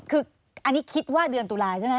คืออันนี้คิดว่าเดือนตุลาใช่ไหม